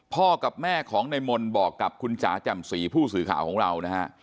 พ่อกับแม่ของในมนตร์บอกกับคุณจ๋าจำศรีผู้สื่อข่าวของเรา